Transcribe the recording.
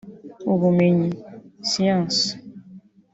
ubumenyi (science)